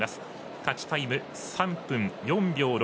勝ちタイム３分４秒６。